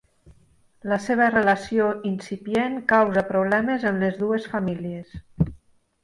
La seva relació incipient causa problemes en les dues famílies.